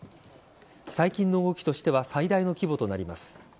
最近の動きとしては最大の規模となります。